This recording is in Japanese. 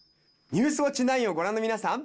「ニュースウオッチ９」をご覧の皆さん。